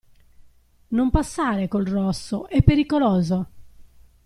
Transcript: Non passare col rosso, è pericoloso!